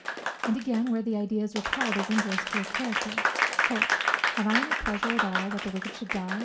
And again, where the idea is repelled as injurious to his character, "Have I any pleasure at all that the wicked should die?